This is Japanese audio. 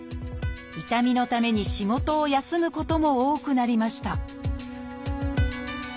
痛みのために仕事を休むことも多くなりました